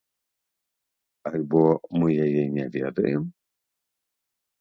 Альбо мы яе не ведаем?